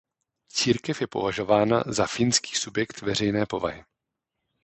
Církev je považována za finský subjekt veřejné povahy.